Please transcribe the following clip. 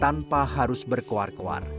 tanpa harus berkuar kuar